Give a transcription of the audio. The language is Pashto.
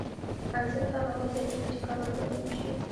ارزښت هغه وخت زیاتېږي چې کار ورباندې وشي